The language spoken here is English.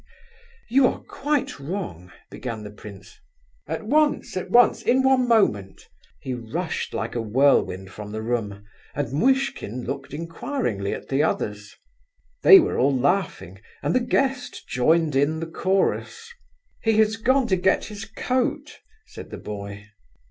he he!" "You are quite wrong..." began the prince. "At once... at once... in one moment!" He rushed like a whirlwind from the room, and Muishkin looked inquiringly at the others. They were all laughing, and the guest joined in the chorus. "He has gone to get his coat," said the boy.